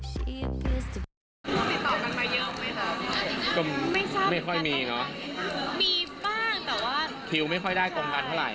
เหมือนจะไม่เป็นเกงบ้างมั้ย